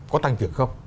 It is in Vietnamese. có tăng trưởng không